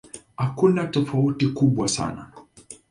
Hakuna tofauti kubwa sana.